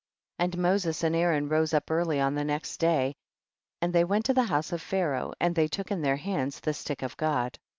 20. And Moses and Aaron rose up early on the next day, and they went to the house of Pharaoh and they took in their hands the stick of God.